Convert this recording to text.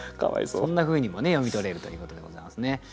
そんなふうにもね読み取れるということでございますね。